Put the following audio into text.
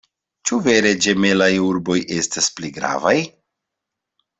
Ĉu vere ĝemelaj urboj estas pli gravaj?